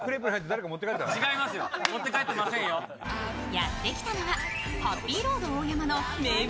やってきたのはハッピーロード大山の名物